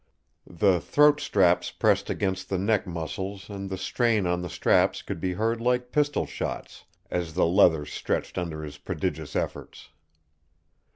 The throat straps pressed against the neck muscles and the strain on the straps could be heard like pistol shots as the leather stretched under his prodigous efforts.